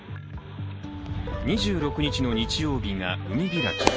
２６日の日曜日が海開き。